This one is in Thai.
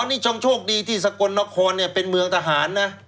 ตอนนี้ช่องโชคดีที่สกลนคลเป็นเมืองทหารนะ